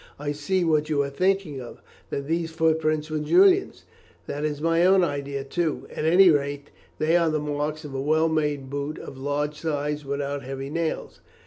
I see what you are thinking of that these footprints were Julian's. That is my own idea too. At any rate, they are the marks of a well made boot of large size, without heavy nails."